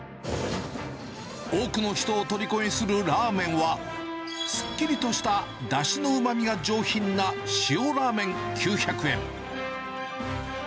多くの人をとりこにするラーメンは、すっきりとしただしのうまみが上品な塩らぁ麺９００円。